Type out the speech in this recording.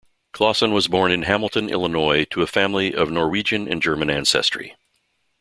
Clausen was born in Hamilton, Illinois to a family of Norwegianand German ancestry.